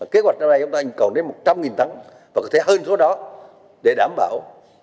kế hoạch trong này chúng ta cần đến một trăm linh tắng và có thể hơn số đó để đảm bảo